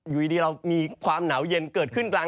อยู่ดีเรามีความหนาวเย็นเกิดขึ้นกลาง